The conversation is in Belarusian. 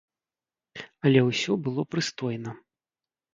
Але ўсё было прыстойна.